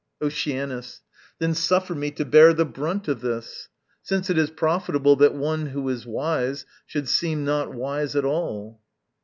Oceanus. Then suffer me to bear the brunt of this! Since it is profitable that one who is wise Should seem not wise at all.